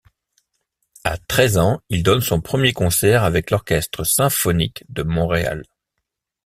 À treize ans, il donne son premier concert avec l'Orchestre symphonique de Montréal.